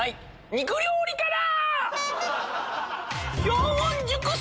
肉料理から！